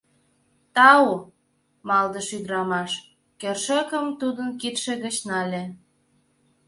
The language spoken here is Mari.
— Тау, — малдыш ӱдырамаш, кӧршӧкым тудын кидше гыч нале.